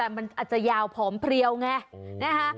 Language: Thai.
แต่มันอาจจะยาวผองเพลียวแงนะฮะ